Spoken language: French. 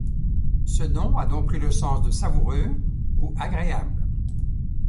Ce nom a donc pris le sens de savoureux ou agréable.